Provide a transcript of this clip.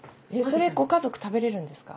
それご家族食べれるんですか？